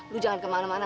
lu jangan ke mana mana